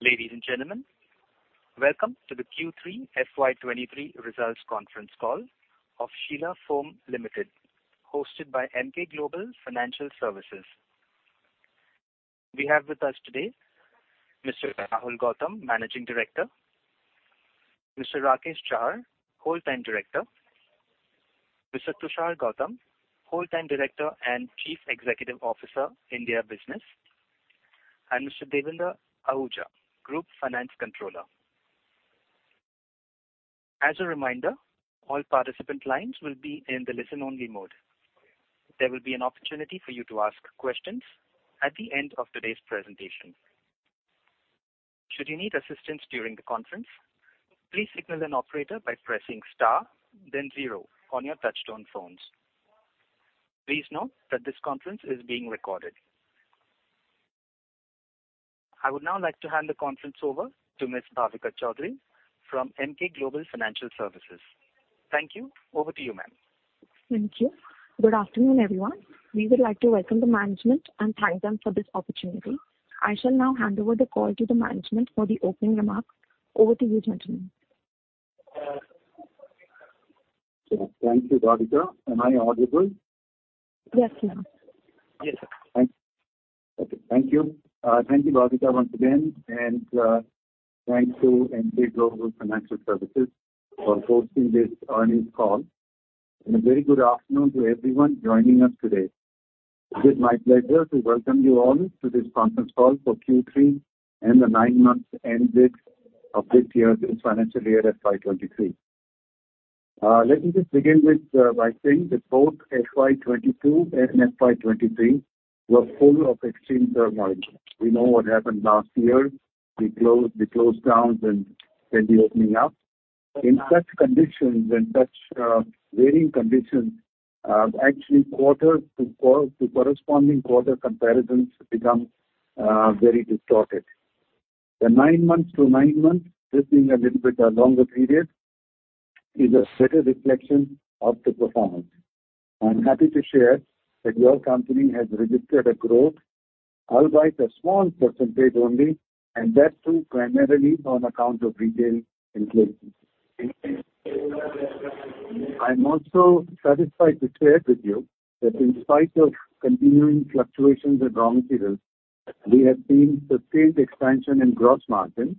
Ladies and gentlemen, welcome to the Q3 FY23 results conference call of Sheela Foam Limited, hosted by Emkay Global Financial Services. We have with us today Mr. Rahul Gautam, Managing Director, Mr. Rakesh Chahar, Whole-Time Director, Mr. Tushar Gautam, Whole-Time Director and Chief Executive Officer, India Business, and Mr. Davinder Ahuja, Group Finance Controller. As a reminder, all participant lines will be in the listen-only mode. There will be an opportunity for you to ask questions at the end of today's presentation. Should you need assistance during the conference, please signal an operator by pressing star, then zero on your touchtone phones. Please note that this conference is being recorded. I would now like to hand the conference over to Ms. Bhavika Choudhary from Emkay Global Financial Services. Thank you. Over to you, ma'am. Thank you. Good afternoon, everyone. We would like to welcome the management and thank them for this opportunity. I shall now hand over the call to the management for the opening remarks. Over to you, gentlemen. Thank you, Bhavika. Am I audible? Yes, you are. Thank you, Bhavika, once again, and thanks to Emkay Global Financial Services for hosting this earnings call. A very good afternoon to everyone joining us today. It is my pleasure to welcome you all to this conference call for Q3 and the nine-month end date of this year, this financial year FY23. Let me just begin with by saying that both FY22 and FY23 were full of extreme turmoil. We know what happened last year. We closed downs and then reopening up. In such conditions and such varying conditions, actually, corresponding quarter comparisons become very distorted. The nine months to nine months, this being a little bit a longer period, is a better reflection of the performance. I'm happy to share that your company has registered a growth, albeit a small percentage only, and that too primarily on account of retail inflation. I'm also satisfied to share with you that in spite of continuing fluctuations in raw materials, we have seen sustained expansion in gross margin.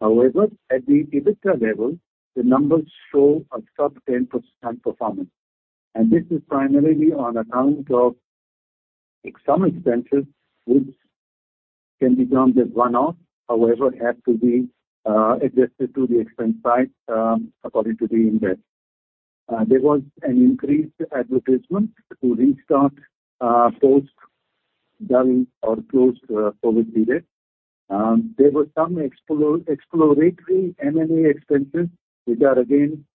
However, at the EBITDA level, the numbers show a sub-10% performance. This is primarily on account of some expenses, which can be termed as one-off, however, have to be adjusted to the expense side according to the index. There was an increased advertisement to restart post-dull or closed COVID period. There were some exploratory M&A expenses, which are, again,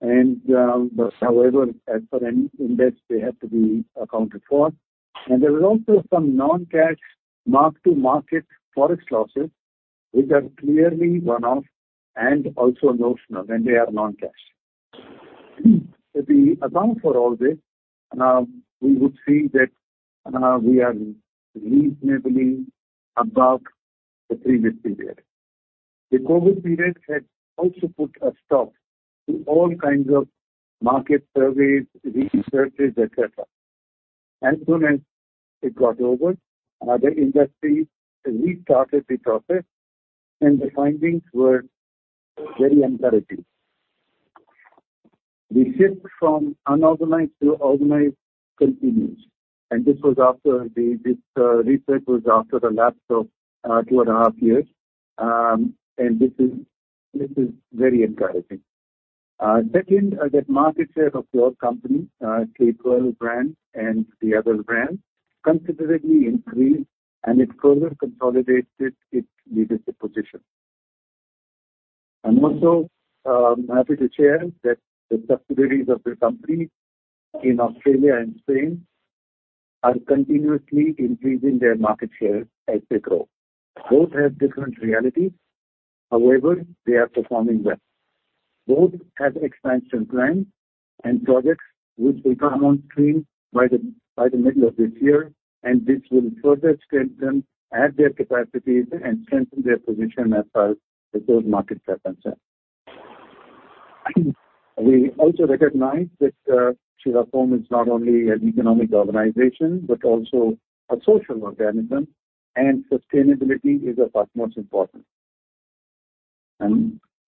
one-off, but however, as for any index, they have to be accounted for. There were also some non-cash mark-to-market forex losses, which are clearly one-off and also notional, and they are non-cash. To account for all this, we would see that we are reasonably above the previous period. The COVID period had also put a stop to all kinds of market surveys, researches, etc. As soon as it got over, the industry restarted the process, and the findings were very encouraging. The shift from unorganized to organized continues, and this was after the research was after the lapse of two and a half years, and this is very encouraging. Second, the market share of your company, Kurlon brand and the other brands, considerably increased, and it further consolidated its leadership position. I'm also happy to share that the subsidiaries of the company in Australia and Spain are continuously increasing their market share as they grow. Both have different realities, however, they are performing well. Both have expansion plans and projects which will come on stream by the middle of this year, and this will further strengthen their capacities and strengthen their position as far as the local market share concerns. We also recognize that Sheela Foam is not only an economic organization but also a social organism, and sustainability is of utmost importance.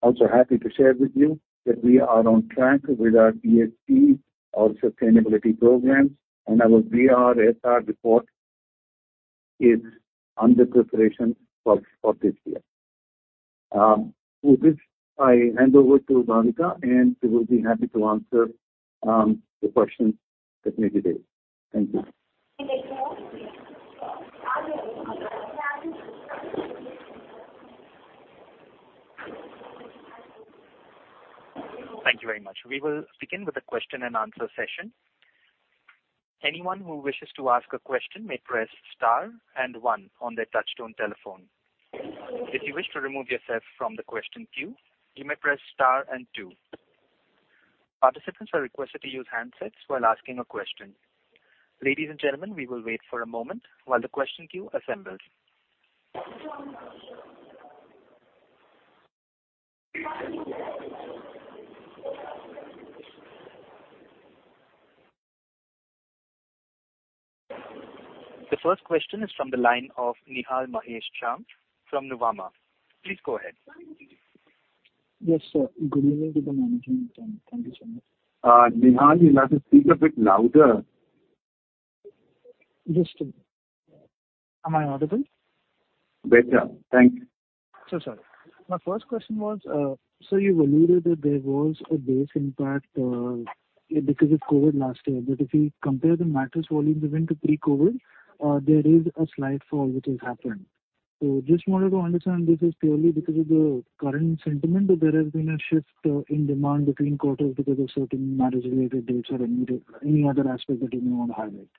I'm also happy to share with you that we are on track with our ESG or sustainability programs, and our BRSR report is under preparation for this year. With this, I hand over to Bhavika, and she will be happy to answer the questions that may be raised. Thank you. Thank you very much. We will begin with a question-and-answer session. Anyone who wishes to ask a question may press star and one on their touch-tone telephone. If you wish to remove yourself from the question queue, you may press star and two. Participants are requested to use handsets while asking a question. Ladies and gentlemen, we will wait for a moment while the question queue assembles. The first question is from the line of Nihal Mahesh Jham from Nuvama. Please go ahead. Yes, sir. Good evening to the management, and thank you so much. Nihal, you'd like to speak a bit louder? Yes, sir. Am I audible? Better. Thanks. Sorry. My first question was, sir, you've alluded that there was a base impact because of COVID last year, but if we compare the mattress volume to pre-COVID, there is a slight fall which has happened. Just wanted to understand, this is purely because of the current sentiment or there has been a shift in demand between quarters because of certain mattress-related dates or any other aspect that you may want to highlight?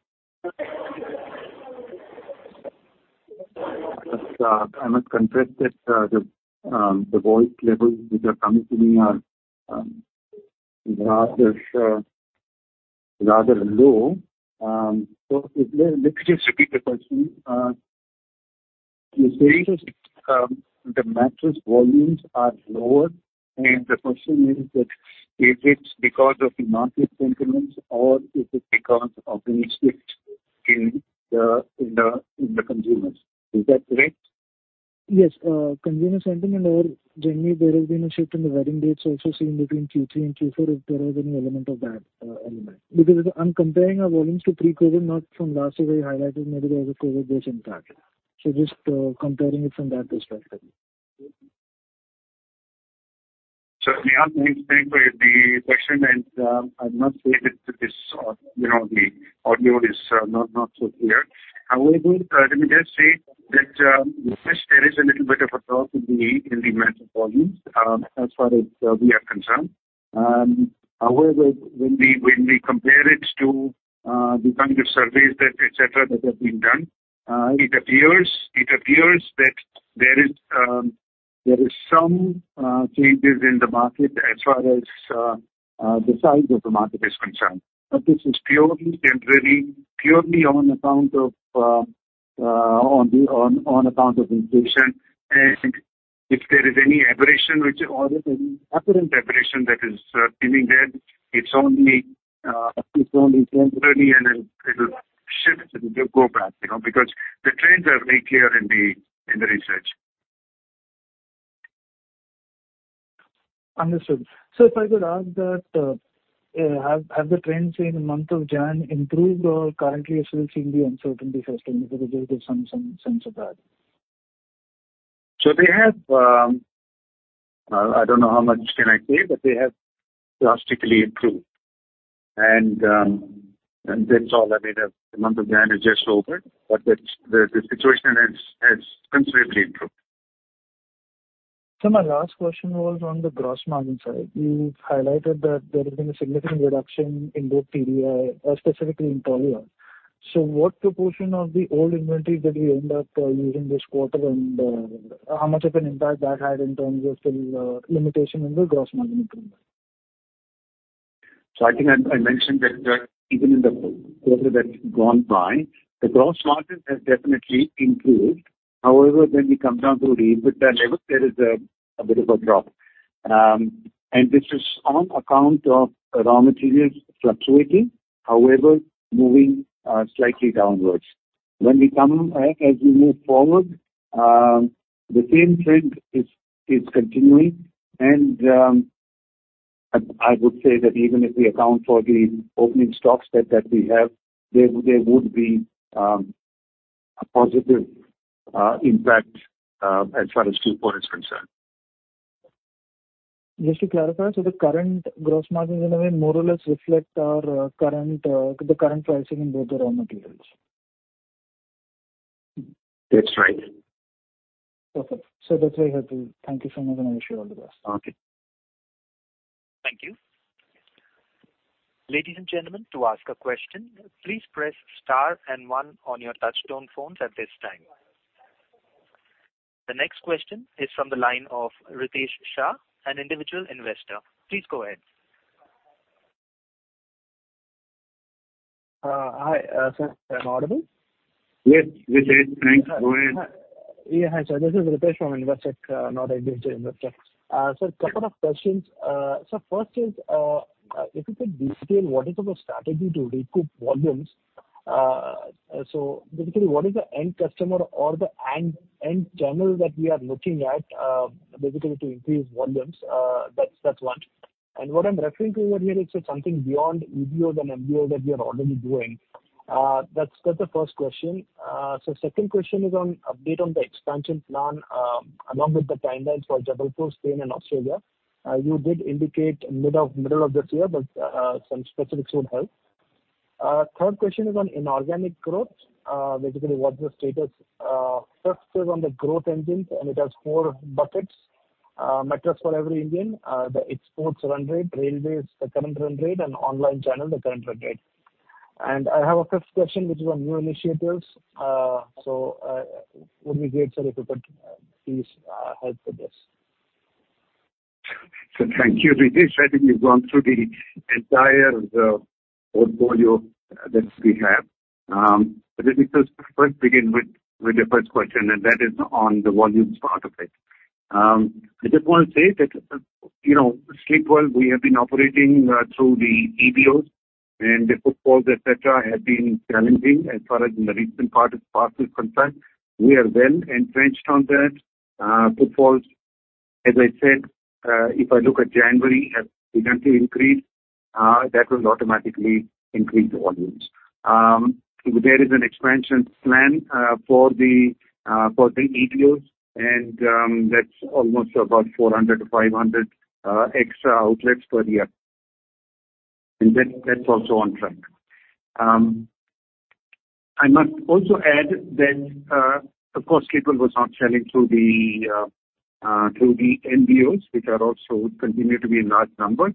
I must confess that the voice levels which are coming to me are rather low. Let me just repeat the question. You're saying the mattress volumes are lower, and the question is that is it because of the market sentiment or is it because of any shift in the consumers? Is that correct? Yes. Consumer sentiment or generally, there has been a shift in the wedding dates also seen between Q3 and Q4 if there was any element of that element. Because I'm comparing our volumes to pre-COVID, not from last year where you highlighted maybe there was a COVID-based impact. Just comparing it from that perspective. Nihal, thanks for the question, and I must say that the audio is not so clear. However, let me just say that yes, there is a little bit of a drop in the mattress volumes as far as we are concerned. However, when we compare it to the kind of surveys that, etc., that have been done, it appears that there is some changes in the market as far as the size of the market is concerned. But this is purely on account of inflation, and if there is any aberration or any apparent aberration that is seeming there, it's only temporary, and it'll shift and go back because the trends are very clear in the research. Understood. If I could ask that, have the trends in the month of January improved or currently still seeing the uncertainty sustained? If you could just give some sense of that. They have. I don't know how much can I say, but they have drastically improved. That's all i mean, the month of January has just ended, but the situation has considerably improved. My last question was on the gross margin side. You've highlighted that there has been a significant reduction in both TDI, specifically in polyol. What proportion of the old inventory did we end up using this quarter, and how much of an impact that had in terms of the limitation in the gross margin improvement? I think I mentioned that even in the quarter that's gone by, the gross margin has definitely improved. However, when we come down to the EBITDA level, there is a bit of a drop. This is on account of raw materials fluctuating, however, moving slightly downwards. When we come as we move forward, the same trend is continuing, and I would say that even if we account for the opening stocks that we have, there would be a positive impact as far as Q4 is concerned. Just to clarify, the current gross margins, in a way, more or less reflect the current pricing in both the raw materials? That's right. Perfect. So that's very helpful. Thank you so much, and I wish you all the best. Okay. Thank you. Ladies and gentlemen, to ask a question, please press star and 1 on your touch-tone phones at this time. The next question is from the line of Ritesh Shah, an individual investor. Please go ahead. Hi, sir. I'm audible? Yes, you're safe. Thanks. Go ahead. This is Ritesh from Investec, not an individual investor. A couple of questions. First is, if you could detail what is our strategy to recoup volumes. Basically, what is the end customer or the end channel that we are looking at basically to increase volumes? That's one. And what I'm referring to over here, it's something beyond EBOs and MBOs that we are already doing. That's the first question. Second question is an update on the expansion plan along with the timelines for Jabalpur, Spain, and Australia. You did indicate middle of this year, but some specifics would help. Third question is on inorganic growth. Basically, what's the status? First is on the growth engines, and it has four buckets: Mattress for Every Indian, the exports run rate, Railways, the current run rate, and online channel, the current run rate. I have a fifth question which is on new initiatives. Would be great, sir, if you could please help with this. Thank you, Ritesh i think you've gone through the entire portfolio that we have. But let me first begin with the first question, and that is on the volumes part of it. I just want to say that Sleepwell, we have been operating through the EBOs, and the footfalls, etc., have been challenging as far as in the recent part as far as concerns. We are well entrenched on that. Footfalls, as I said, if I look at January, have begun to increase. That will automatically increase the volumes. There is an expansion plan for the EBOs, and that's almost about 400-500 extra outlets per year. And that's also on track. I must also add that, of course, Sleepwell was not selling through the MBOs, which also continue to be in large numbers.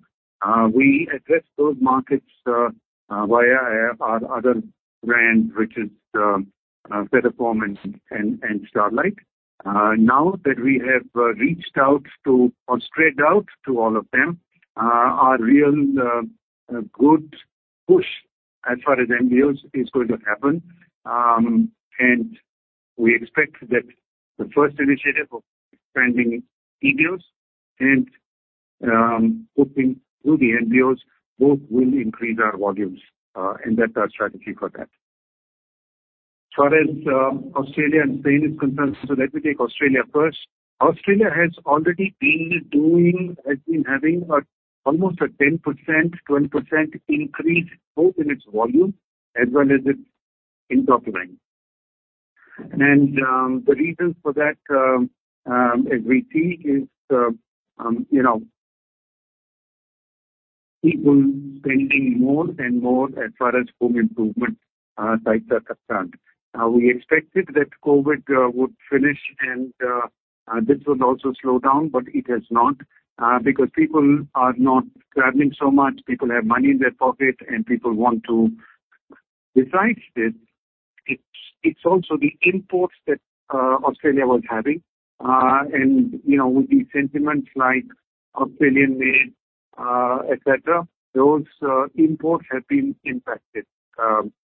We addressed those markets via our other brands, which is Feather Foam and Starlite. Now that we have reached out or spread out to all of them, our real good push as far as MBOs is going to happen, and we expect that the first initiative of expanding EBOs and pushing through the MBOs both will increase our volumes, and that's our strategy for that. As far as Australia and Spain is concerned, let me take Australia first. Australia has already been having almost a 10%-12% increase both in its volume as well as its top line. And the reasons for that, as we see, is people spending more and more as far as home improvement spends are concerned. We expected that COVID would finish, and this will also slow down, but it has not because people are not traveling so much. People have money in their pocket, and people want to. Besides this, it's also the imports that Australia was having. With the sentiments like Australian-made, etc., those imports have been impacted,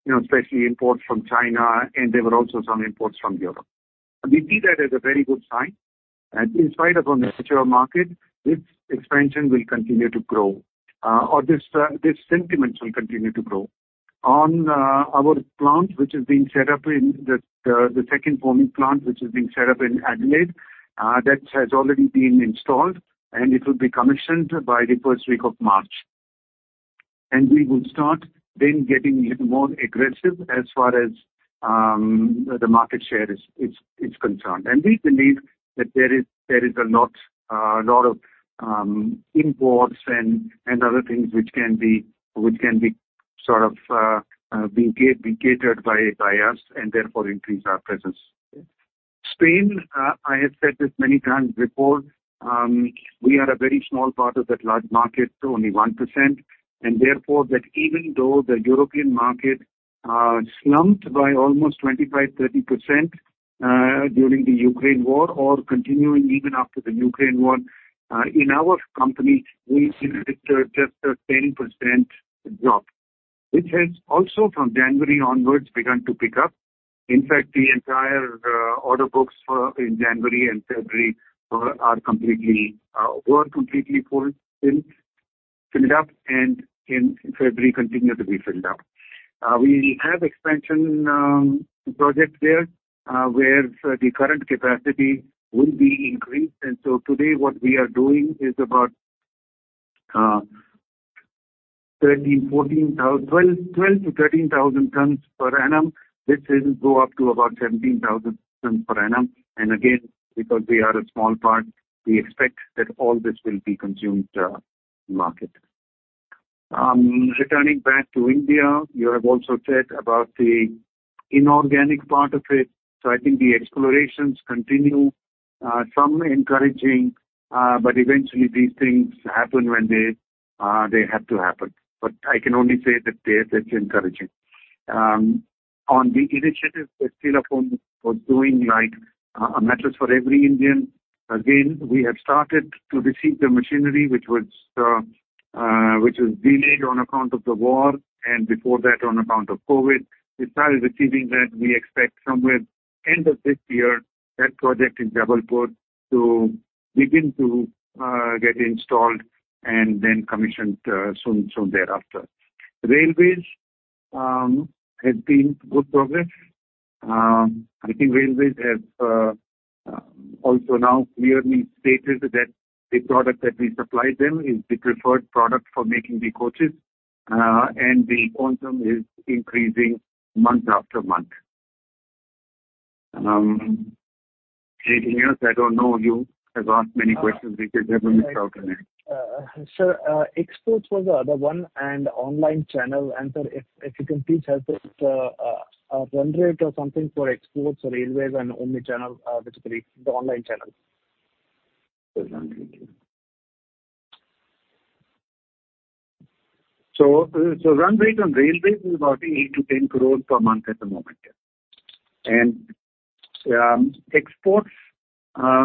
especially imports from China, and there were also some imports from Europe. We see that as a very good sign. In spite of a mature market, this expansion will continue to grow, or this sentiment will continue to grow. On our plant, which is being set up in the second foaming plant, which is being set up in Adelaide, that has already been installed, and it will be commissioned by the first week of March. We will start then getting more aggressive as far as the market share is concerned we believe that there is a lot of imports and other things which can be sort of gathered by us and therefore increase our presence. Spain, I have said this many times before, we are a very small part of that large market, only 1%, and therefore that even though the European market slumped by almost 25%-30% during the Ukraine war or continuing even after the Ukraine war, in our company, we've just a 10% drop, which has also from January onwards begun to pick up. In fact, the entire order books in January and February were completely filled up, and in February, continue to be filled up. We have expansion projects there where the current capacity will be increased. Today, what we are doing is about 13,000-14,000 12,000-13,000 tpa. This will go up to about 17,000 tpa. Again, because we are a small part, we expect that all this will be consumed market. Returning back to India, you have also said about the inorganic part of it. I think the explorations continue, some encouraging, but eventually, these things happen when they have to happen. But I can only say that there's encouraging. On the initiative that Sheela Foam was doing like a mattress for every Indian, again, we have started to receive the machinery which was delayed on account of the war and before that on account of COVID. We started receiving that we expect somewhere end of this year, that project in Jabalpur to begin to get installed and then commissioned soon thereafter. Railways has been good progress. I think railways have also now clearly stated that the product that we supplied them is the preferred product for making the coaches, and the consumer is increasing month after month. Anything else? I don't know. You have asked many questions Ritesh, have you missed out on anything? Exports was the other one, and online channel. If you can please help us, a run rate or something for exports or retail and online channel, basically the online channels. Run rate on railways is about 8-10 crores per month at the moment. And exports, I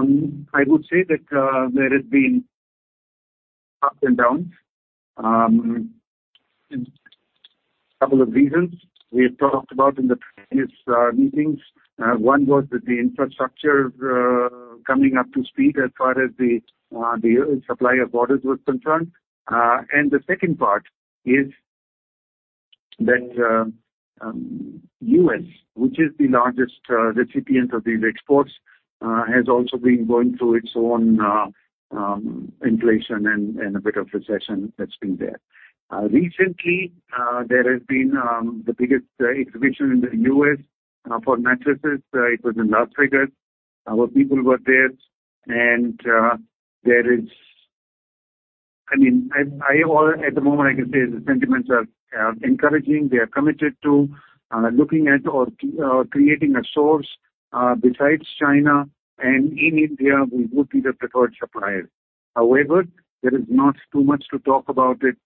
would say that there have been ups and downs for a couple of reasons we have talked about in the previous meetings. One was that the infrastructure is coming up to speed as far as the supply of orders was concerned. And the second part is that the U.S., which is the largest recipient of these exports, has also been going through its own inflation and a bit of recession that's been there. Recently, there has been the biggest exhibition in the U.S. for mattresses it was in Las Vegas. Our people were there. I mean, at the moment, I can say the sentiments are encouraging they are committed to looking at or creating a source. Besides China and in India, we would be the preferred supplier. However, there is not too much to talk about it,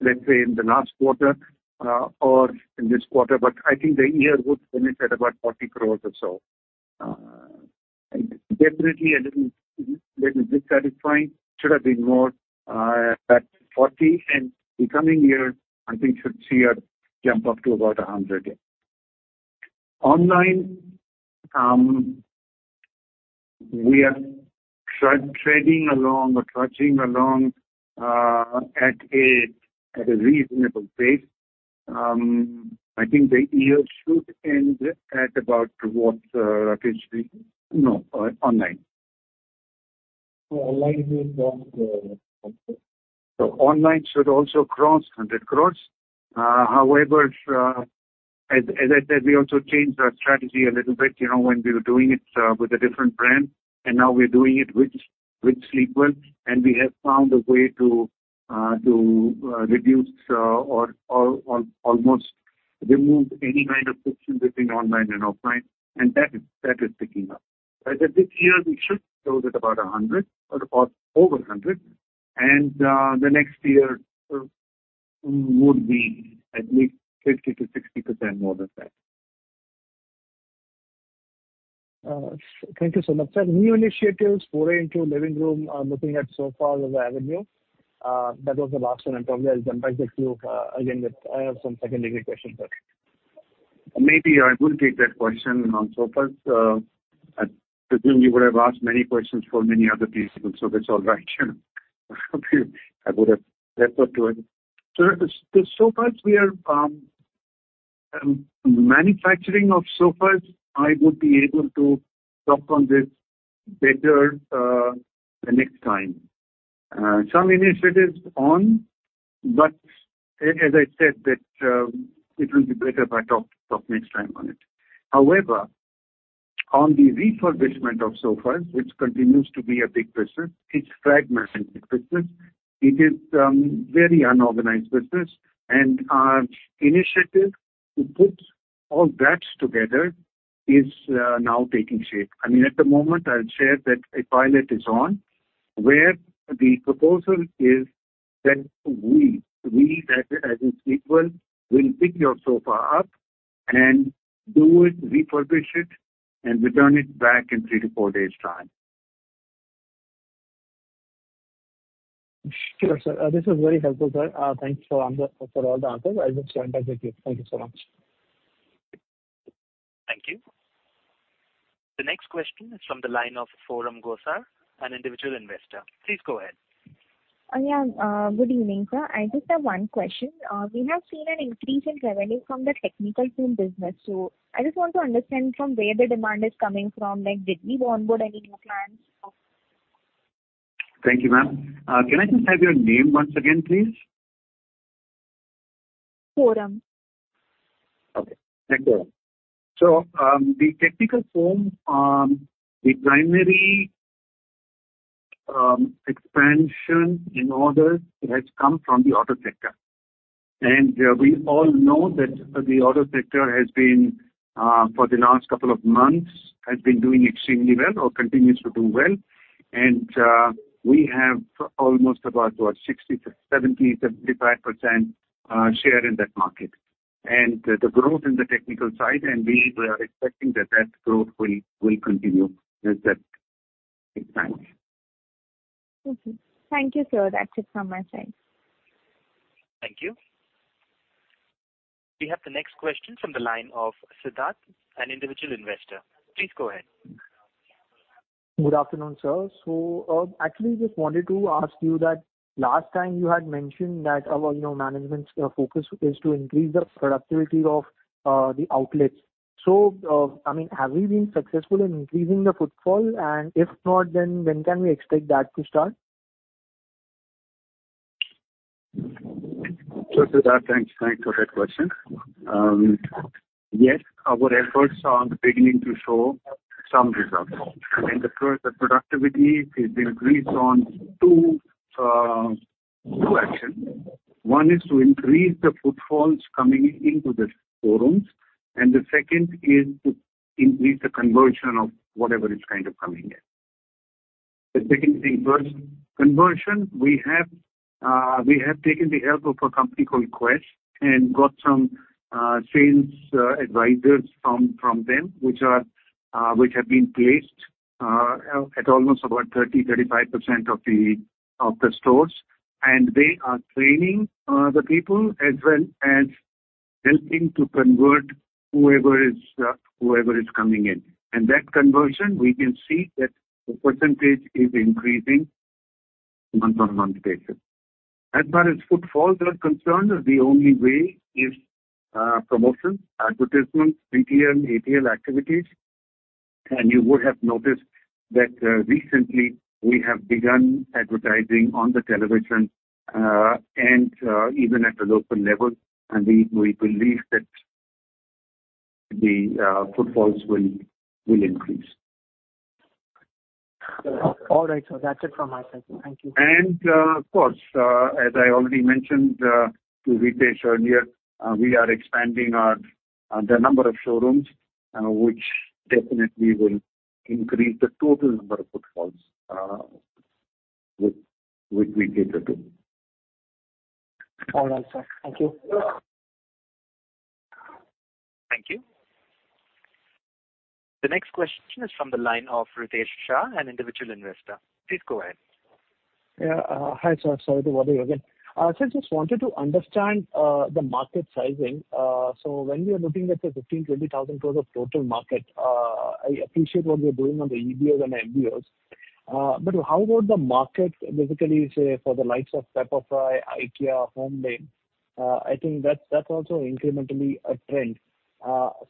let's say, in the last quarter or in this quarter, but I think the year would finish at about 40 crore or so. Definitely, a little dissatisfying. Should have been more at 40 crore, and the coming year, I think, should see a jump up to about 100 crore. Online, we are trading along or trudging along at a reasonable pace. I think the year should end at about what, Ritesh? No, online. Online should cross the 100? Online should also cross 100 crore. However, as I said, we also changed our strategy a little bit when we were doing it with a different brand, and now we're doing it with Sleepwell, and we have found a way to reduce or almost remove any kind of friction between online and offline, and that is picking up. I said this year, we should close at about 100 crore or over 100 crore, and the next year would be at least 50%-60% more than that. Thank you so much, sir. New initiatives, foray into living room, are looking at so far as an avenue. That was the last one, and probably I'll jump back to you again with I have some second-degree questions, sir. Maybe I will take that question on sofas. I presume you would have asked many questions for many other people, that's all right. I would have preferred to have sofas. The manufacturing of sofas, I would be able to talk on this better the next time. Some initiatives on, but as I said, that it will be better if I talk next time on it. However, on the refurbishment of sofas, which continues to be a big business, it's fragmented business it is very unorganized business, and our initiative to put all that together is now taking shape i mean, at the moment, I'll share that a pilot is on where the proposal is that we, as in Sleepwell, will pick your sofa up and refurbish it and return it back in 3-4 days' time. Sure, sir. This was very helpful, sir. Thanks for all the answers. I'll just jump back with you. Thank you so much. Thank you. The next question is from the line of Forum Gosar, an individual investor. Please go ahead. Anya, good evening, sir. I just have one question. We have seen an increase in revenue from the technical foam business, I just want to understand from where the demand is coming from did we onboard any new plans? Thank you, ma'am. Can I just have your name once again, please? Forum. Thanks, Forum. The technical foam, the primary expansion in orders has come from the auto sector. We all know that the auto sector has been, for the last couple of months, has been doing extremely well or continues to do well. We have almost about what, 60%-70%, 75% share in that market and the growth in the technical side, and we are expecting that that growth will continue as that expands. Okay. Thank you, sir. That's it from my side. Thank you. We have the next question from the line of Siddharth, an individual investor. Please go ahead. Good afternoon, sir. Actually, I just wanted to ask you that last time, you had mentioned that our management's focus is to increase the productivity of the outlets. I mean, have we been successful in increasing the footfall, and if not, then when can we expect that to start? Sir, Siddharth, Thanks for that question. Yes, our efforts are beginning to show some results. I mean, the productivity has increased on two actions. One is to increase the footfalls coming into the stores, and the second is to increase the conversion of whatever is kind of coming in. The second thing, first conversion, we have taken the help of a company called Quess and got some sales advisors from them, which have been placed at almost about 30%-35% of the stores. They are training the people as well as helping to convert whoever is coming in. And that conversion, we can see that the percentage is increasing on a month-on-month basis. As far as footfalls are concerned, the only way is promotions, advertisements, BTL, ATL activities. You would have noticed that recently, we have begun advertising on the television and even at the local level, and we believe that the footfalls will increase. All right, sir. That's it from my side. Thank you. Of course, as I already mentioned to Ritesh earlier, we are expanding the number of showrooms, which definitely will increase the total number of footfalls which we cater to. All right, sir. Thank you. Thank you. The next question is from the line of Ritesh Shah, an individual investor. Please go ahead. Sorry to bother you again. I just wanted to understand the market sizing. When we are looking at the 15,000 crore-20,000 crore of total market, I appreciate what you're doing on the EBOs and MBOs, but how would the market basically size for the likes of Pepperfry, IKEA, HomeLane? I think that's also incrementally a trend. How?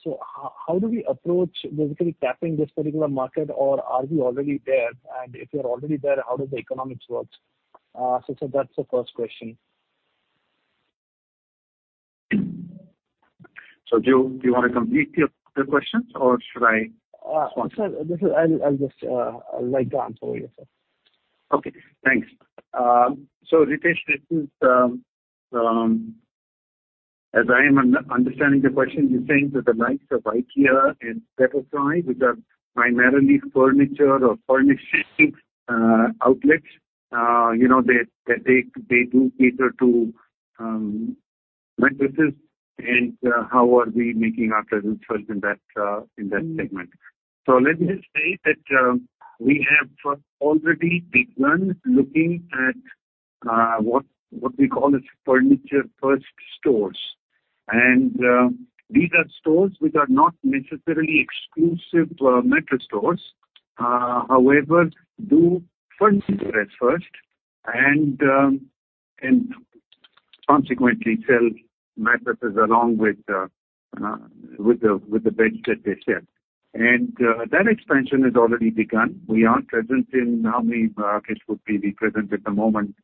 do we approach basically tapping this particular market, or are we already there? And if we are already there, how does the economics work? So that's the first question. Do you want to complete the questions, or should I respond to it? Sir, I'll just write down for you, sir. Ritesh, as I am understanding the question, you're saying that the likes of IKEA and Pepperfry, which are primarily furniture or furnishing outlets, that they do cater to mattresses. And how are we making our presence in that segment? So let me just say that we have already begun looking at what we call as furniture-first stores. These are stores which are not necessarily exclusive mattress stores, however, do furniture first and consequently sell mattresses along with the beds that they sell. That expansion has already begun. We are present in how many markets would be we present at the moment?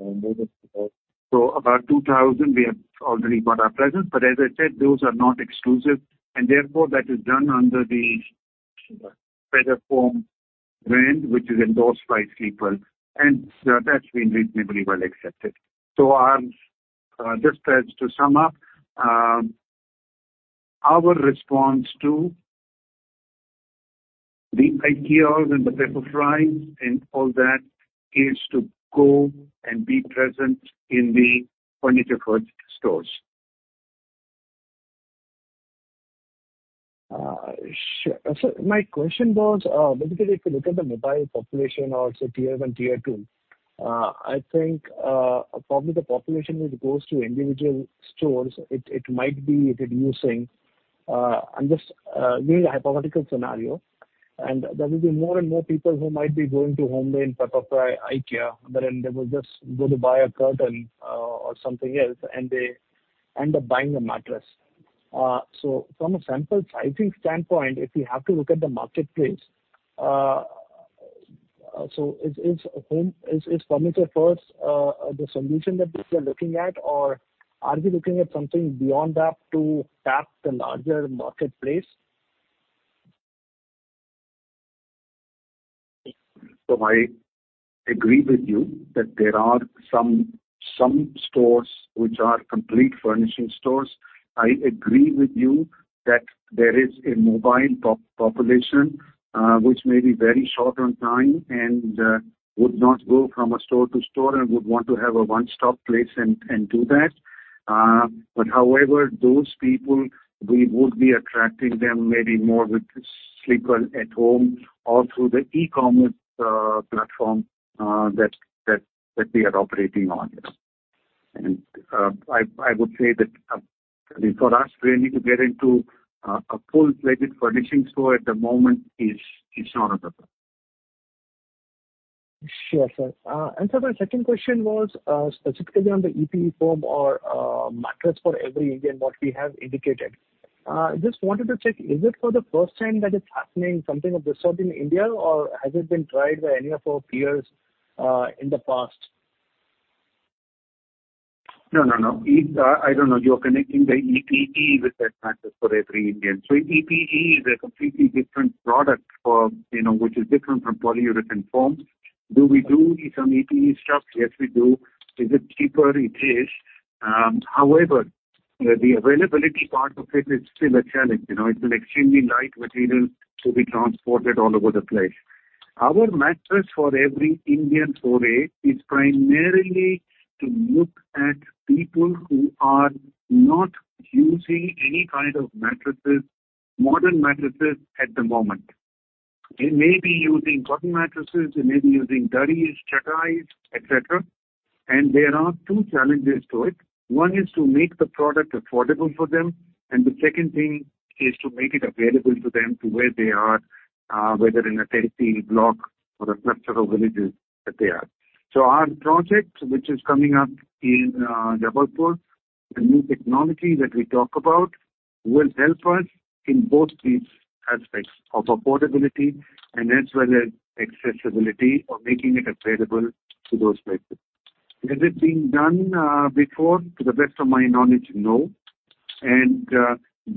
About 2,000, we have already got our presence as I said, those are not exclusive. And therefore, that is done under the Sheela Foam brand, which is endorsed by Sleepwell, and that's been reasonably well accepted. Just as to sum up, our response to the IKEAs and the Pepperfrys and all that is to go and be present in the furniture-first stores. My question was, basically, if you look at the mobile population or say tier one, tier two, I think probably the population which goes to individual stores, it might be reducing. I'm just giving a hypothetical scenario, and there will be more and more people who might be going to HomeLane, Pepperfry, IKEA than there will just go to buy a curtain or something else and end up buying a mattress. From a sample sizing standpoint, if we have to look at the marketplace, Is furniture first the solution that we are looking at, or are we looking at something beyond that to tap the larger marketplace? I agree with you that there are some stores which are complete furnishing stores. I agree with you that there is a mobile population which may be very short on time and would not go from a store to store and would want to have a one-stop place and do that. But however, those people, we would be attracting them maybe more with Sleepwell at home or through the e-commerce platform that we are operating on. I would say that, I mean, for us, really to get into a full-fledged furnishing store at the moment is not another option. Sure, sir My second question was specifically on the EPE Foam or Mattress for Every Indian, what we have indicated. I just wanted to check, is it for the first time that it's happening, something of this sort in India? or has it been tried by any of our peers in the past? No, no, no. I don't know you are connecting the EPE with that mattress for every Indian. EPE is a completely different product which is different from polyurethane foam. Do we do some EPE stuff? Yes, we do. Is it cheaper? It is. However, the availability part of it is still a challenge it's an extremely light material to be transported all over the place. Our mattress for every Indian for a is primarily to look at people who are not using any kind of modern mattresses at the moment. They may be using cotton mattresses they may be using dhurries, charpais, etc. There are two challenges to it. One is to make the product affordable for them, and the second thing is to make it available to them to where they are, whether in a tier-three block or a cluster of villages that they are. Our project, which is coming up in Jabalpur, the new technology that we talk about will help us in both these aspects of affordability and as well as accessibility of making it available to those places. Has it been done before? To the best of my knowledge, no.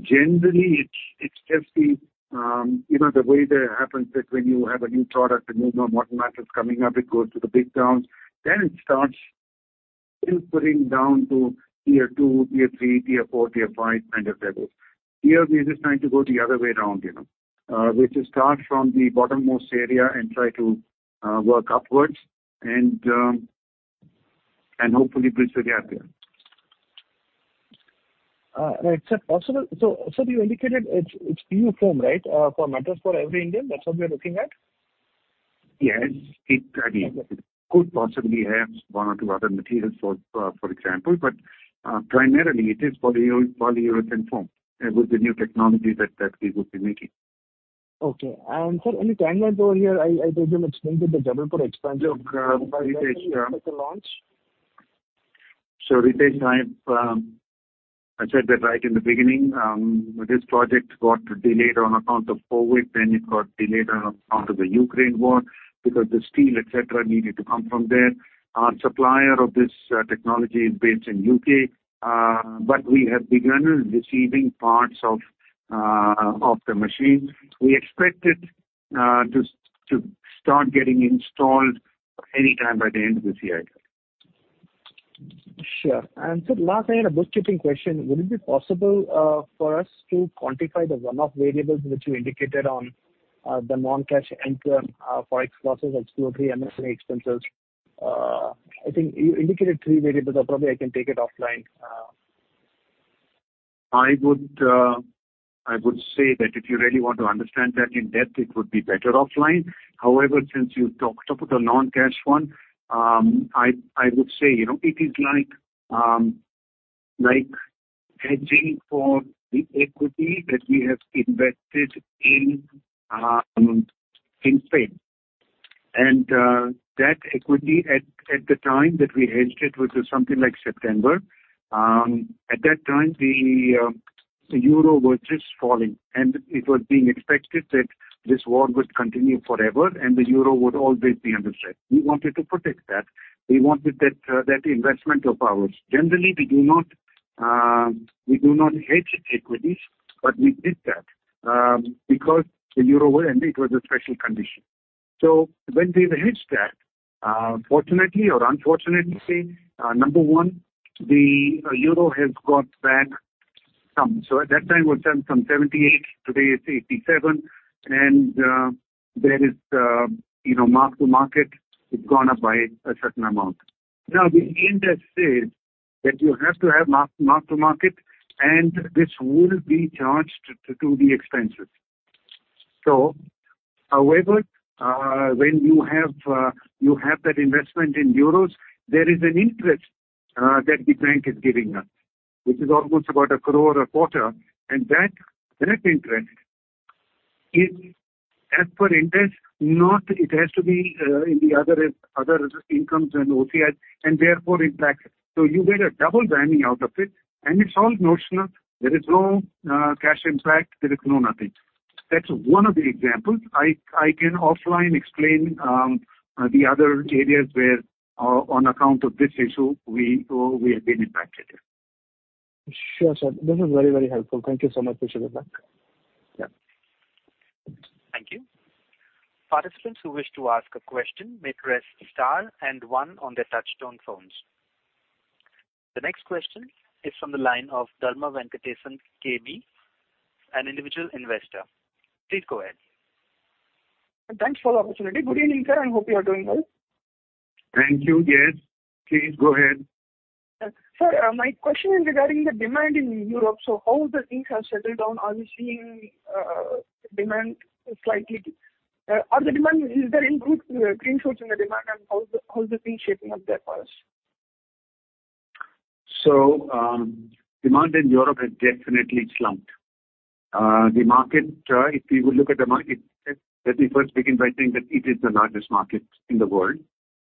Generally, it's just the way that happens that when you have a new product, a new modern mattress coming up, it goes to the big towns. Then it starts filtering down to tier two, tier three, tier four, tier five, and as that goes. Here, we're just trying to go the other way around, which is start from the bottommost area and try to work upwards and hopefully build the gap there. Is it possible so you indicated it's PU Foam, right, for Mattress for Every Indian? That's what we are looking at? Yes. I mean, it could possibly have one or two other materials, for example, but primarily, it is polyurethane foam with the new technology that we would be making. Okay. Sir, any timelines over here? I presume it's linked with the Jabalpur expansion. Look, Ritesh. The launch? Ritesh, I said that right in the beginning. This project got delayed on account of COVID then it got delayed on account of the Ukraine war because the steel, etc., needed to come from there. Our supplier of this technology is based in U.K., but we have begun receiving parts of the machines. We expect it to start getting installed anytime by the end of the Q1. Sure. Lastly, I had a bookkeeping question would it be possible for us to quantify the one-off variables which you indicated on the non-cash income forex losses, exploratory, and then the expenses? I think you indicated three variables or probably I can take it offline. I would say that if you really want to understand that in depth, it would be better offline. However, since you talked about the non-cash one, I would say it is like hedging for the equity that we have invested in Spain. That equity, at the time that we hedged it, which was something like September, at that time, the euro was just falling, and it was being expected that this war would continue forever and the euro would always be under threat we wanted to protect that. We wanted that investment of ours. Generally, we do not hedge equities, but we did that because the euro was and it was a special condition. When we've hedged that, fortunately or unfortunately, number one, the euro has got back some at that time, it was down from 78 today, it's 87. There is mark-to-market. It's gone up by a certain amount. Now, the industry says that you have to have mark-to-market, and this will be charged to the expenses. However, when you have that investment in euros, there is an interest that the bank is giving us, which is almost about 1 crore a quarter. And that interest is, as per industry, not it has to be in the other incomes and OCIs, and therefore, impacts it you get a double whammy out of it, and it's all notional there is no cash impact. There is no nothing. That's one of the examples. I can offline explain the other areas where, on account of this issue, we have been impacted. This is very, very helpful. Thank you so much. Appreciate your time. Yeah. Thank you. Participants who wish to ask a question may press star and one on their touch-tone phones. The next question is from the line of Dharma Venkatesan K. B., an individual investor. Please go ahead. Thanks for the opportunity. Good evening, sir. I hope you are doing well. Thank you. Yes. Please go ahead. My question is regarding the demand in Europe. How the things have settled down? Are we seeing demand slightly? Is there any green shoots in the demand, and how's the thing shaping up there for us? Demand in Europe has definitely slumped. The market, if we would look at the market, let me first begin by saying that it is the largest market in the world,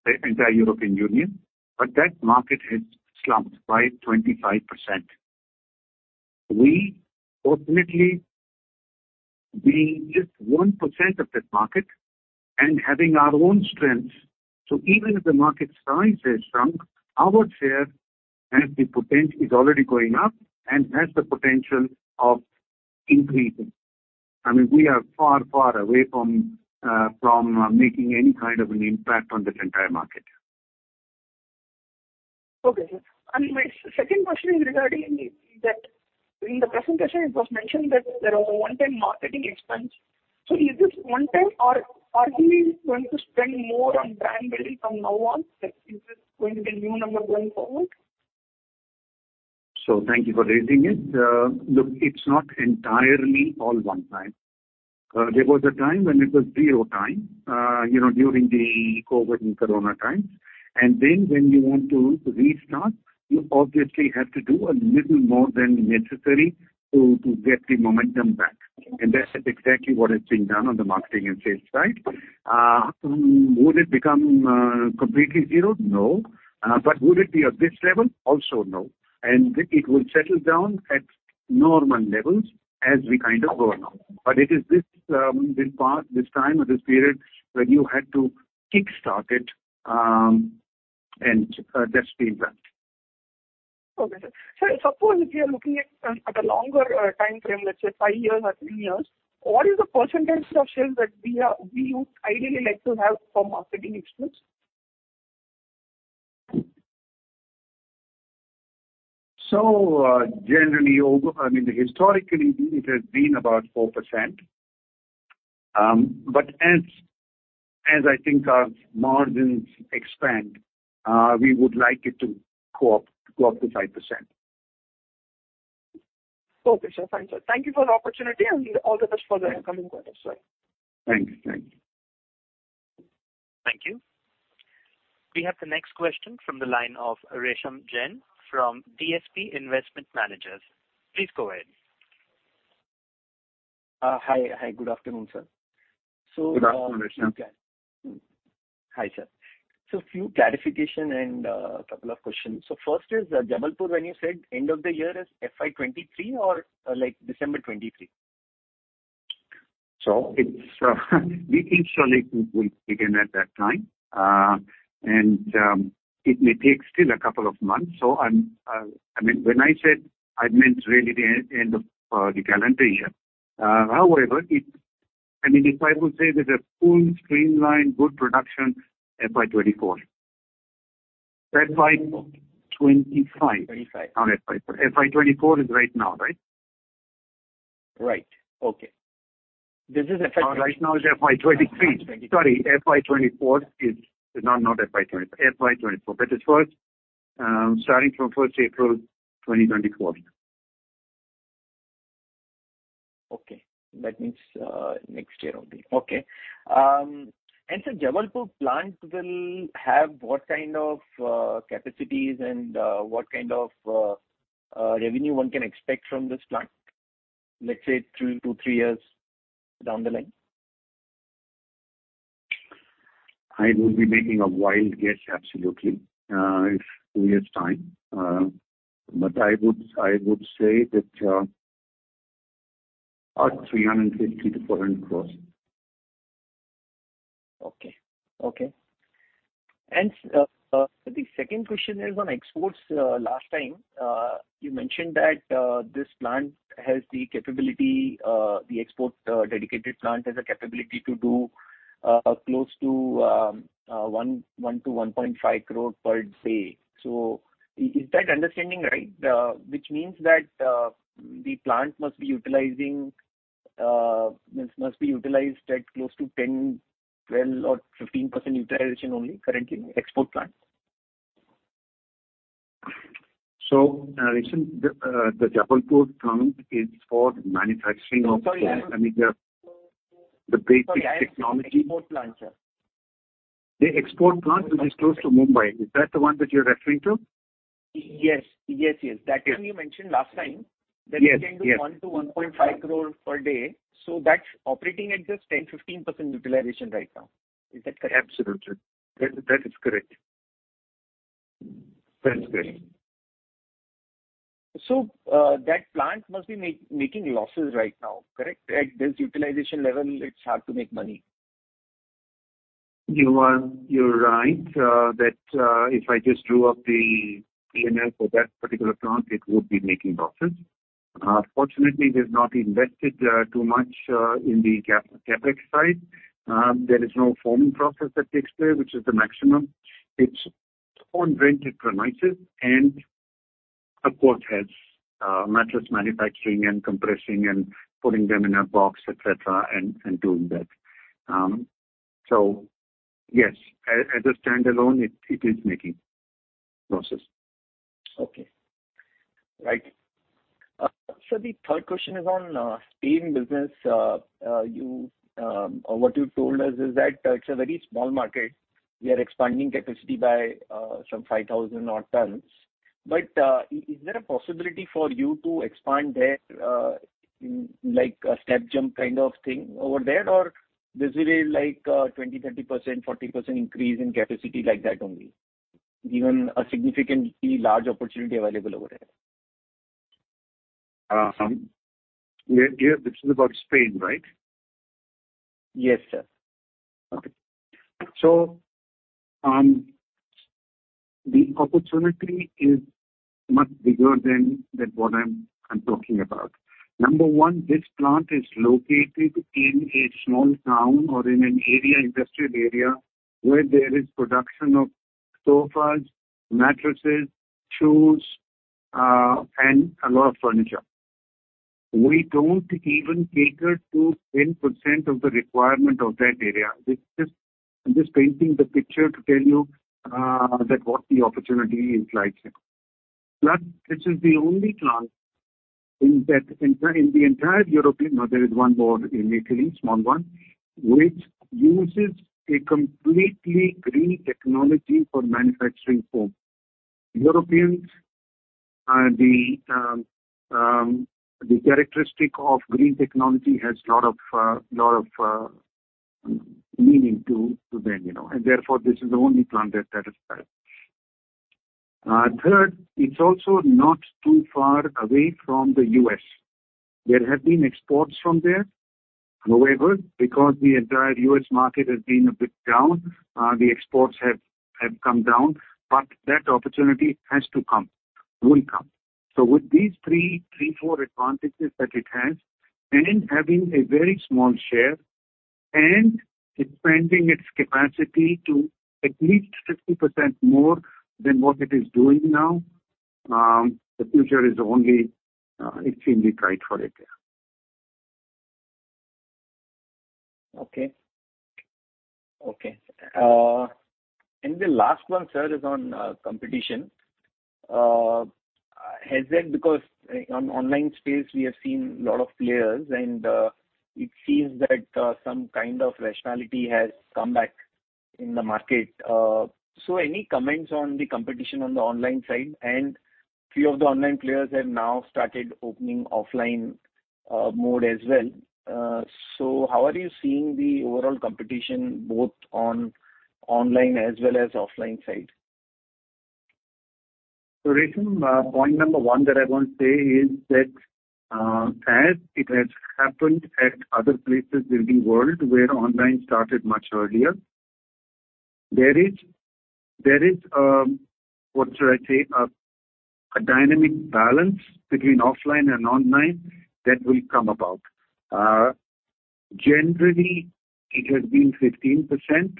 the entire European Union. But that market has slumped by 25%. We, ultimately, being just 1% of this market and having our own strength, even if the market size has shrunk, our share as the potential is already going up and has the potential of increasing. I mean, we are far, far away from making any kind of an impact on this entire market. Okay. And my second question is regarding that in the presentation, it was mentioned that there was a one-time marketing expense. Is this one-time, or are we going to spend more on brand building from now on? Is this going to be a new number going forward? Thank you for raising it. Look, it's not entirely all one-time. There was a time when it was zero time during the COVID and corona times. And then when you want to restart, you obviously have to do a little more than necessary to get the momentum back. And that's exactly what has been done on the marketing and sales side. Would it become completely zero? No. But would it be at this level? Also no. And it will settle down at normal levels as we kind of go along. But it is this time, this period, when you had to kickstart it, and that's been right. Okay. Suppose if you are looking at a longer time frame, let's say 5 years or 10 years, what is the percentage of shares that we would ideally like to have for marketing expense? Generally, I mean, historically, it has been about 4%. But as I think our margins expand, we would like it to go up to 5%. Okay. Sure. Fine. Sir, thank you for the opportunity, and all the best for the coming quarters. Thanks. Thanks. Thank you. We have the next question from the line of Resham Jain from DSP Investment Managers. Please go ahead. Good afternoon, sir. Good afternoon, Resham. A few clarifications and a couple of questions first is Jabalpur, when you said end of the year is FY23 or December 23? The installation will begin at that time, and it may take still a couple of months. I mean, when I said, I meant really the end of the calendar year. However, I mean, if I would say there's a full streamlined, good production. FY24. FY25. 25. Not FY2024. FY2024 is right now, right? Right. Okay. This is FY23. Right now is FY23. Sorry. FY24 is not FY25. FY24 but it's starting from 1st April 2024. Okay. That means next year only. Okay. Jabalpur plant will have what kind of capacities and what kind of revenue one can expect from this plant, let's say, 2, 3 years down the line? I would be making a wild guess, absolutely, if 2 years' time. But I would say that INR 350-400 crore. And the second question is on exports. Last time, you mentioned that this export-dedicated plant has a capability to do close to 1-1.5 crore per day. Is that understanding right, which means that the plant must be utilized at close to 10%, 12%, or 15% utilization only currently, export plant? Resham, the Jabalpur plant is for manufacturing of. Oh, sorry. I mean, the basic technology. Sorry. Export plant, sir. The export plant, which is close to Mumbai, is that the one that you're referring to? Yes. That one you mentioned last time that it can do 1-1.5 crore per day. That's operating at just 10%-15% utilization right now. Is that correct? Absolutely. That is correct. That's correct. That plant must be making losses right now, correct? At this utilization level, it's hard to make money. You're right that if I just drew up the P&L for that particular plant, it would be making losses. Fortunately, we have not invested too much in the CapEx side. There is no foaming process that takes place, which is the maximum. It's on rented premises and, of course, has mattress manufacturing and compressing and putting them in a box, etc., and doing that. Yes, as a standalone, it is making losses. Okay. Right. The third question is on Spain business. What you told us is that it's a very small market. We are expanding capacity by some 5,000-odd tons. Is there a possibility for you to expand there in a step-jump kind of thing over there, or this will be like 20%, 30%, 40% increase in capacity like that only, given a significantly large opportunity available over there? This is about Spain, right? Yes, sir. Okay. The opportunity is much bigger than what I'm talking about. Number one, this plant is located in a small town or in an industrial area where there is production of sofas, mattresses, shoes, and a lot of furniture. We don't even cater to 10% of the requirement of that area i'm just painting the picture to tell you what the opportunity is like. Plus, this is the only plant in the entire Europe, no, there is one more in Italy, small one, which uses a completely green technology for manufacturing foam. The characteristic of green technology has a lot of meaning to them therefore, this is the only plant that satisfies. Third, it's also not too far away from the U.S. There have been exports from there. However, because the entire U.S. market has been a bit down, the exports have come down. But that opportunity has to come, will come. With these three, three, four advantages that it has and having a very small share and expanding its capacity to at least 50% more than what it is doing now, the future is only extremely bright for it. Okay. The last one, sir, is on competition. Has that because online space, we have seen a lot of players, and it seems that some kind of rationality has come back in the market. Any comments on the competition on the online side? And a few of the online players have now started opening offline mode as well. How? are you seeing the overall competition both online as well as offline side? Resham, point number one that I want to say is that as it has happened at other places in the world where online started much earlier, there is, what should I say, a dynamic balance between offline and online that will come about. Generally, it has been 15%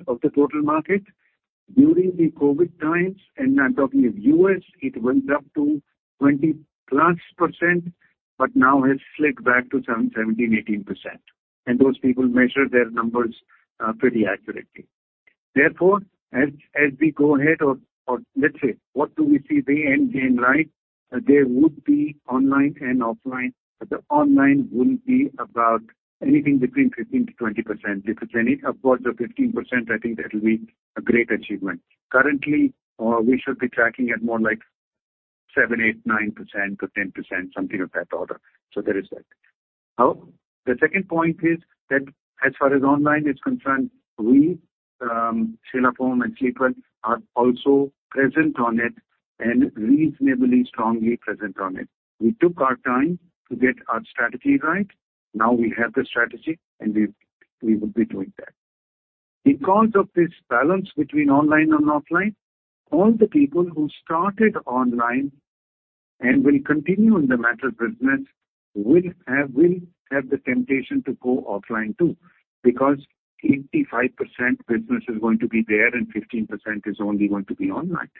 of the total market. During the COVID times, and I'm talking of US, it went up to 20+% but now has slid back to 17%-18%. Those people measure their numbers pretty accurately. Therefore, as we go ahead or let's say, what do we see the end game like? There would be online and offline. The online will be about anything between 15%-20% if it's any above the 15%, I think that will be a great achievement. Currently, we should be tracking at more like 7, 8, 9%-10%, something of that order there is that. The second point is that as far as online is concerned, we, Sheela Foam and Sleepwell, are also present on it and reasonably strongly present on it. We took our time to get our strategy right. Now we have the strategy, and we would be doing that. Because of this balance between online and offline, all the people who started online and will continue in the mattress business will have the temptation to go offline too because 85% business is going to be there and 15% is only going to be online.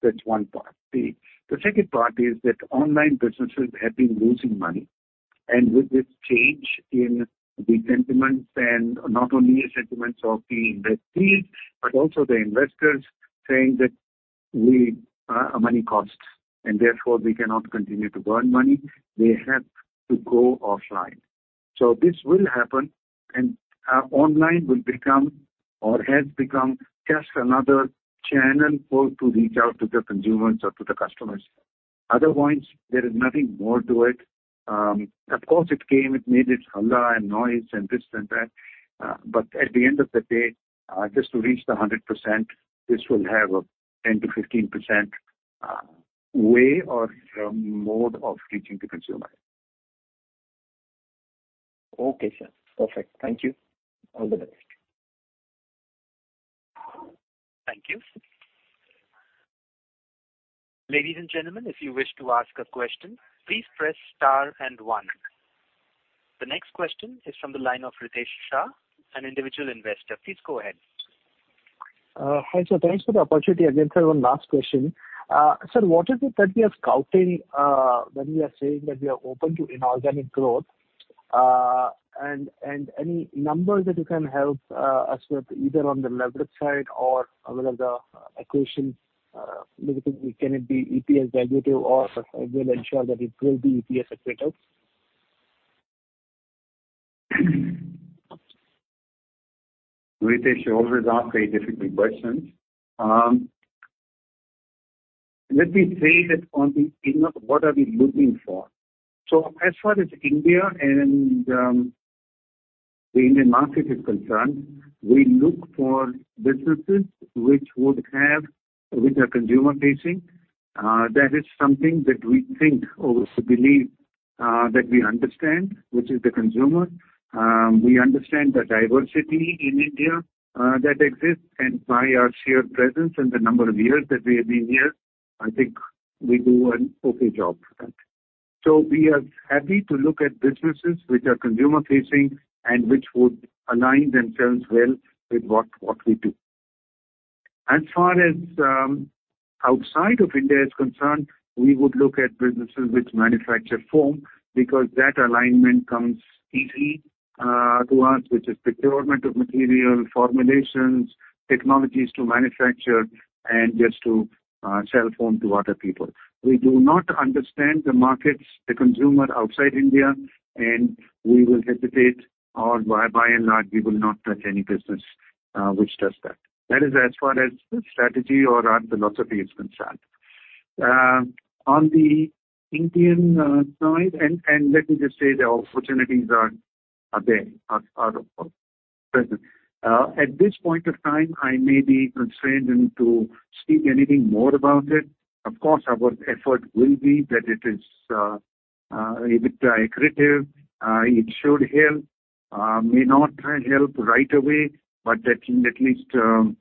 That's one part. The second part is that online businesses have been losing money. With this change in the sentiments and not only the sentiments of the industry but also the investors saying that money costs, and therefore, we cannot continue to burn money, they have to go offline. This will happen, and online will become or has become just another channel to reach out to the consumers or to the customers. Otherwise, there is nothing more to it. Of course, it came it made its hullah and noise and this and that. But at the end of the day, just to reach the 100%, this will have a 10%-15% way or mode of reaching the consumer. Okay, sir. Perfect. Thank you. All the best. Thank you. Ladies and gentlemen, if you wish to ask a question, please press star and one. The next question is from the line of Ritesh Shah, an individual investor. Please go ahead. Thanks for the opportunity again, sir one last question. What is it that we are scouting when we are saying that we are open to inorganic growth? Any numbers that you can help us with either on the leverage side or whether the equation can it be EPS valuative or we'll ensure that it will be EPS equitable? Ritesh, you always ask very difficult questions. Let me say that on the what are we looking for? As far as India and the Indian market is concerned, we look for businesses which are consumer-facing. That is something that we think or we believe that we understand, which is the consumer. We understand the diversity in India that exists and by our sheer presence and the number of years that we have been here, I think we do an okay job for that. We are happy to look at businesses which are consumer-facing and which would align themselves well with what we do. As far as outside of India is concerned, we would look at businesses which manufacture foam because that alignment comes easy to us, which is procurement of material, formulations, technologies to manufacture, and just to sell foam to other people. We do not understand the markets, the consumer outside India, and we will hesitate, or by and large, we will not touch any business which does that. That is as far as the strategy or our philosophy is concerned. On the Indian side, and let me just say the opportunities are there, are present. At this point of time, I may be constrained into speaking anything more about it. Of course, our effort will be that it is a bit accretive. It should help. May not help right away, but that at least on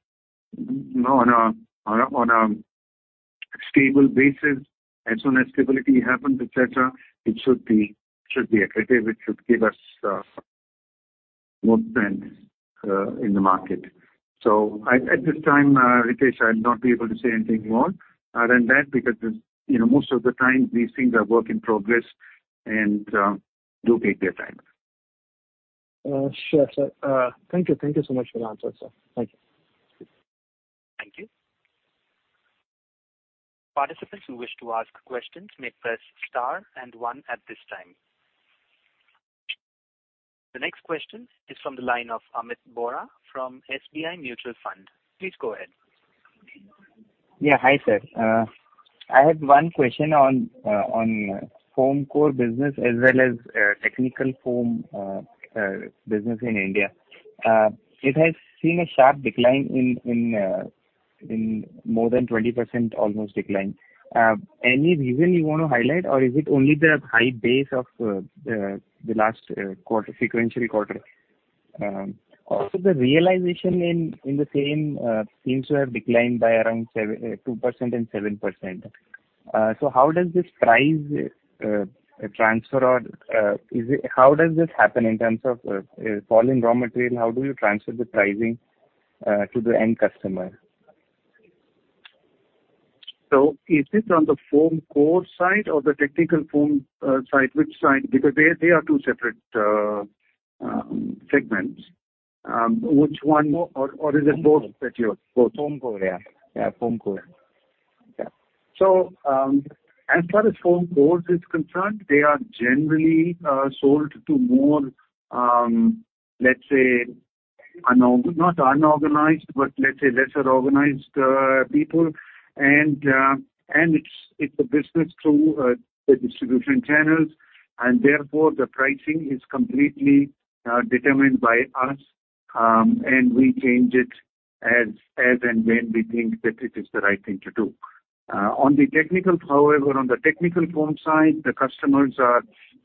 a stable basis, as soon as stability happens, etc., it should be accretive. It should give us more sense in the market. At this time, Ritesh, I'll not be able to say anything more than that because most of the time, these things are work in progress and do take their time. Sure, sir. Thank you. Thank you so much for the answers, sir. Thank you. Thank you. Participants who wish to ask questions may press star and one at this time. The next question is from the line of Amit Vora from SBI Mutual Fund. Please go ahead. I have one question on foam core business as well as technical foam business in India. It has seen a sharp decline in more than 20%, almost decline. Any reason you want to highlight, or is it only the high base of the last quarter, sequential quarter? Also, the realization in the same seems to have declined by around 2% and 7%. How does this price transfer or how does this happen in terms of falling raw material? How do you transfer the pricing to the end customer? Is this on the foam core side or the technical foam side? Which side? Because they are two separate segments. Which one, or is it both that you're both? Foam core. Foam core. Yeah. As far as foam cores is concerned, they are generally sold to more, let's say, not unorganized, but let's say lesser organized people. It's a business through the distribution channels. Therefore, the pricing is completely determined by us, and we change it as and when we think that it is the right thing to do. On the technical however, on the technical foam side, the customers are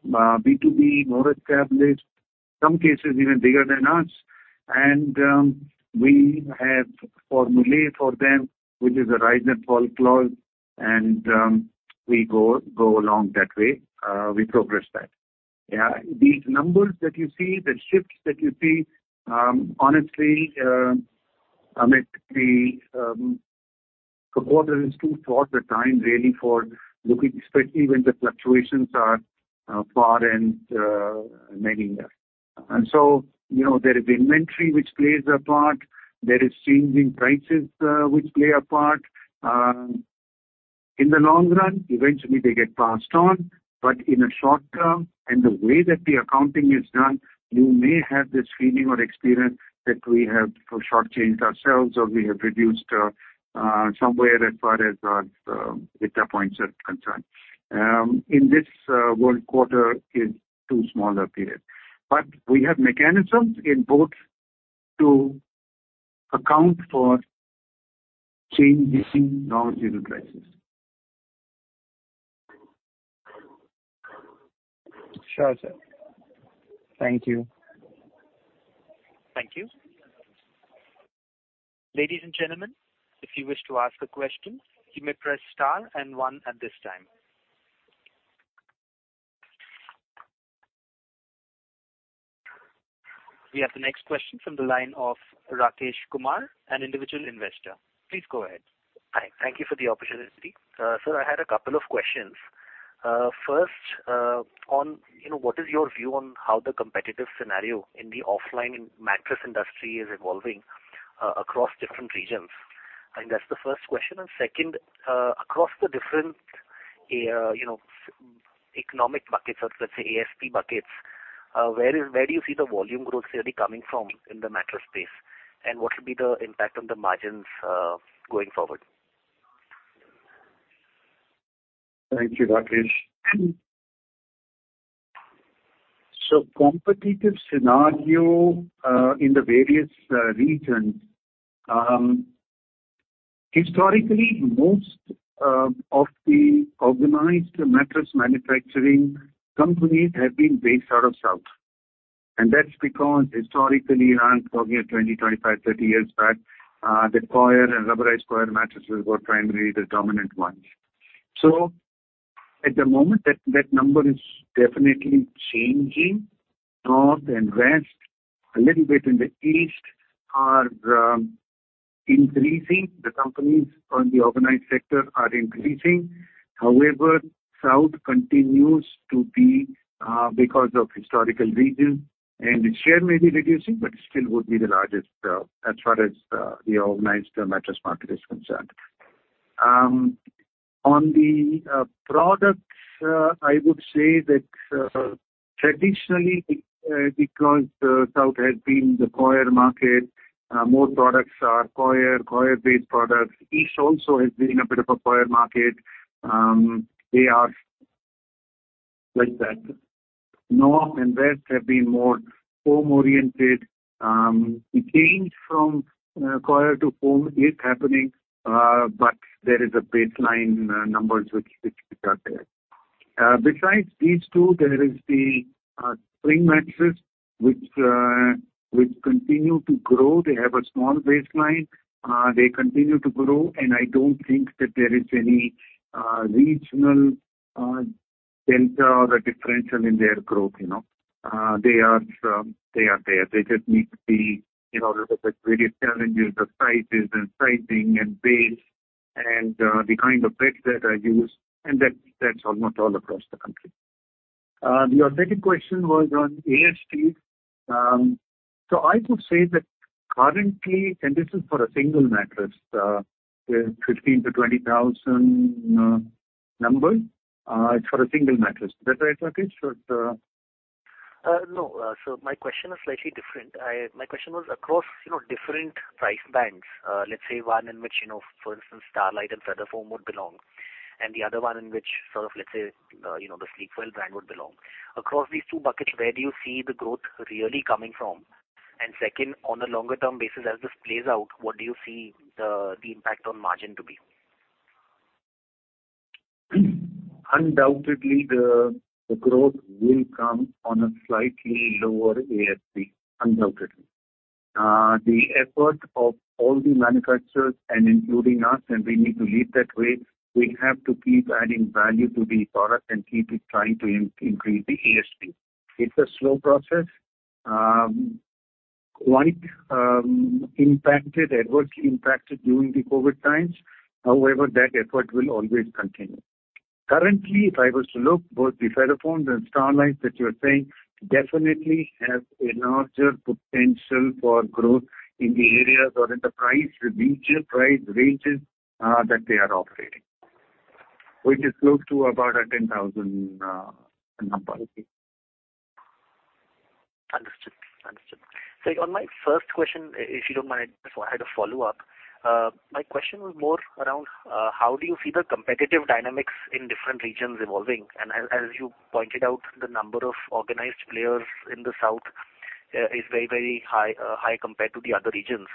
B2B, more established, some cases even bigger than us. We have formulae for them, which is a rise-and-fall clause, and we go along that way. We progress that. These numbers that you see, the shifts that you see, honestly, Amit, a quarter is too short a time really for looking, especially when the fluctuations are far and many. There is inventory which plays a part. There is changing prices which play a part. In the long run, eventually, they get passed on. In a short term and the way that the accounting is done, you may have this feeling or experience that we have shortchanged ourselves or we have reduced somewhere as far as the points are concerned. In this world, quarter is too small a period. We have mechanisms in both to account for changing raw material prices. Sure, sir. Thank you. Thank you. Ladies and gentlemen, if you wish to ask a question, you may press star and one at this time. We have the next question from the line of Rakesh Kumar, an individual investor. Please go ahead. Hi. Thank you for the opportunity. I had a couple of questions. First, what is your view on how the competitive scenario in the offline mattress industry is evolving across different regions? I think that's the first question and second, across the different economic buckets or let's say ASP buckets, where do you see the volume growth steady coming from in the mattress space? What will be the impact on the margins going forward? Thank you, Rakesh. Competitive scenario in the various regions, historically, most of the organized mattress manufacturing companies have been based out of South. That's because historically, around talking 20, 25, 30 years back, the coir and rubberized coir mattresses were primarily the dominant ones. At the moment, that number is definitely changing. North and West, a little bit in the East, are increasing the companies in the organized sector are increasing. However, South continues to be because of historical region. And its share may be reducing, but it still would be the largest as far as the organized mattress market is concerned. On the products, I would say that traditionally, because South has been the coir market, more products are coir, coir-based products East also has been a bit of a coir market. They are like that. North and West have been more foam-oriented. The change from coir to foam is happening, there is a baseline numbers which are there. Besides these two, there is the spring mattress which continue to grow they have a small baseline. They continue to grow i don't think that there is any regional delta or a differential in their growth. They are there they just need to be a little bit various challenges, the sizes and sizing and base and the kind of beds that are used. That's almost all across the country. The actual question was on ASP. I would say that currently, and this is for a single mattress, 15,000-20,000 numbers it's for a single mattress is that right, Rakesh? No my question is slightly different my question was across different price bands, let's say one in which, for instance, Starlite and Feather Foam would belong, and the other one in which sort of, let's say, the Sleepwell brand would belong. Across these two buckets, where do you see the growth really coming from? And second, on a longer-term basis, as this plays out, what do you see the impact on margin to be? Undoubtedly, the growth will come on a slightly lower ASP, undoubtedly. The effort of all the manufacturers and including us, and we need to lead that way, we have to keep adding value to the product and keep trying to increase the ASP. It's a slow process, quite impacted, adversely impacted during the COVID times. However, that effort will always continue. Currently, if I was to look both the Feather Foam and Starlite that you're saying, definitely have a larger potential for growth in the areas or in the regional price ranges that they are operating, which is close to about a 10,000 number. Understood. On my first question, if you don't mind, I just want to have a follow-up. My question was more around how do you see the competitive dynamics in different regions evolving? And as you pointed out, the number of organized players in the South is very, very high compared to the other regions.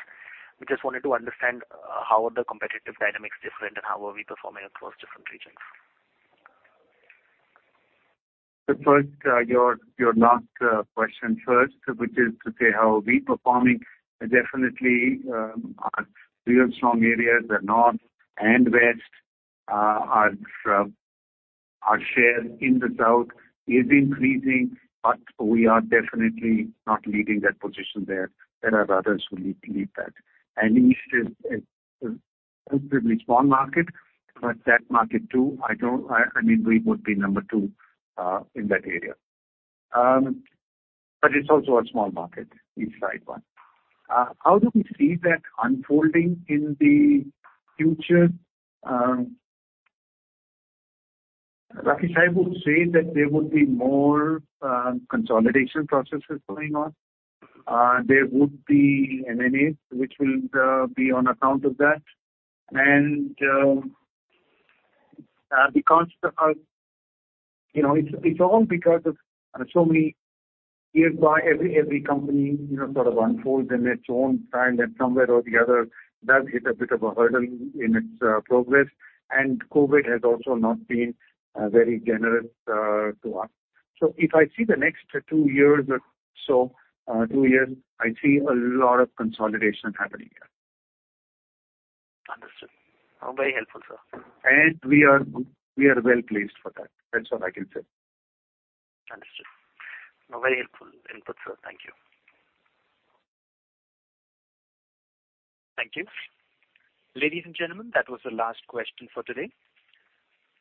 We just wanted to understand how are the competitive dynamics different and how are we performing across different regions? To answer your last question first, which is to say how are we performing, definitely our real strong areas are North and West. Our share in the South is increasing, but we are definitely not leading that position there. There are others who lead that. East is a relatively small market, but that market too, I mean, we would be number two in that area. It's also a small market, East size one. How do we see that unfolding in the future? Rakesh, I would say that there would be more consolidation processes going on. There would be M&As which will be on account of that. Because it's all because of so many years, every company sort of unfolds in its own style, and somewhere or the other, does hit a bit of a hurdle in its progress COVID has also not been very generous to us if I see the next two years or two years, I see a lot of consolidation happening here. Understood. Very helpful, sir. We are well-placed for that. That's what I can say. Understood. Very helpful input, sir. Thank you. Thank you. Ladies and gentlemen, that was the last question for today.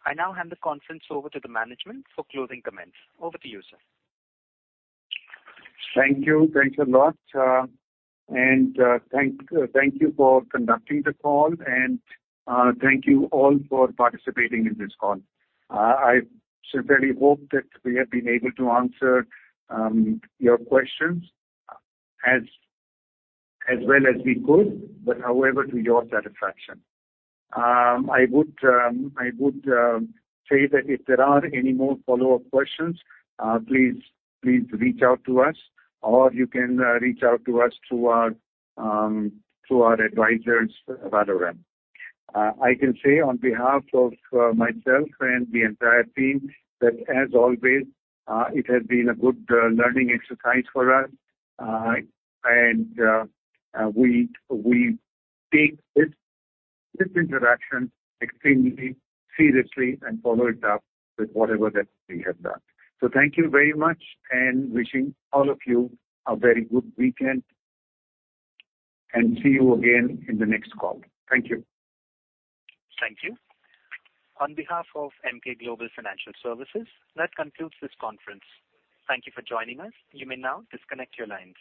I now hand the conference over to the management for closing comments. Over to you, sir. Thank you. Thanks a lot. Thank you for conducting the call. Thank you all for participating in this call. I sincerely hope that we have been able to answer your questions as well as we could, but however, to your satisfaction. I would say that if there are any more follow-up questions, please reach out to us, or you can reach out to us through our advisors, Valorem. I can say on behalf of myself and the entire team that, as always, it has been a good learning exercise for us. We take this interaction extremely seriously and follow it up with whatever that we have done. Thank you very much and wishing all of you a very good weekend. See you again in the next call. Thank you. Thank you. On behalf of Emkay Global Financial Services, that concludes this conference. Thank you for joining us. You may now disconnect your line.